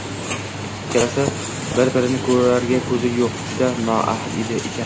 Ikkalasi bir-birini ko‘rarga ko‘zi yo‘q, juda noahil ekan.